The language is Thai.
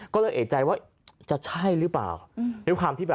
ก็เลยเอกใจว่าจะใช่หรือเปล่า